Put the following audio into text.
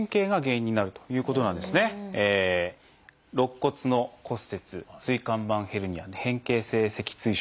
肋骨の骨折椎間板ヘルニア変形性脊椎症。